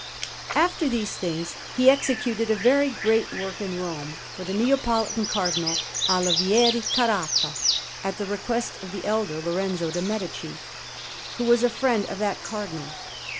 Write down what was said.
After these things he executed a very great work in Rome for the Neapolitan Cardinal, Olivieri Caraffa, at the request of the elder Lorenzo de' Medici, who was a friend of that Cardinal.